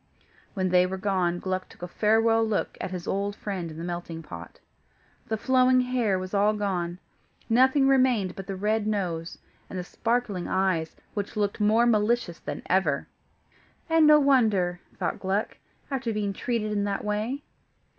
When they were gone, Gluck took a farewell look at his old friend in the melting pot. The flowing hair was all gone; nothing remained but the red nose, and the sparkling eyes, which looked more malicious than ever. "And no wonder," thought Gluck, "after being treated in that way."